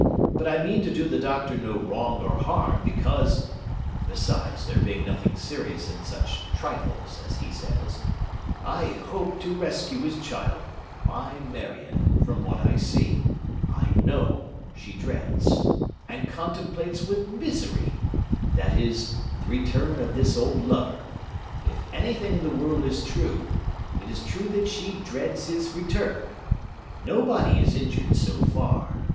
But I mean to do the Doctor no wrong or harm, because (besides there being nothing serious in such trifles, as he says) I hope to rescue his child, my Marion, from what I see—I know—she dreads, and contemplates with misery: that is, the return of this old lover. If anything in the world is true, it is true that she dreads his return. Nobody is injured so far.